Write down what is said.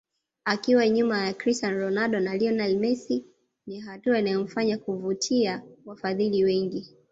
Akiwa nyuma ya Cristiano Ronaldo na Lionel Messi ni hatua inayomfanya kuvutia wafadhili wengi